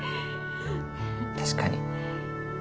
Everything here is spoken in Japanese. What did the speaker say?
確かに。